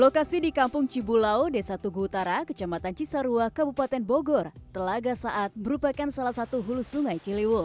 lokasi di kampung cibulau desa tugu utara kecamatan cisarua kabupaten bogor telaga saat merupakan salah satu hulu sungai ciliwung